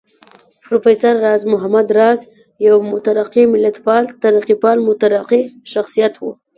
پروفېسر راز محمد راز يو مترقي ملتپال، ترقيپال مترقي شخصيت و